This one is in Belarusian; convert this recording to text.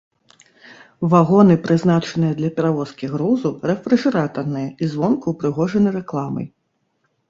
Вагоны, прызначаныя для перавозкі грузу, рэфрыжэратарныя і звонку ўпрыгожаны рэкламай.